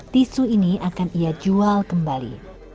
tisu ini akan ia jual kembali